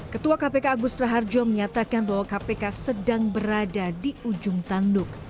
ketua kpk agus raharjo menyatakan bahwa kpk sedang berada di ujung tanduk